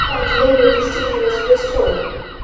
At some point later the city was restored.